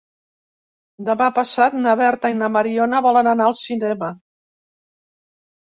Demà passat na Berta i na Mariona volen anar al cinema.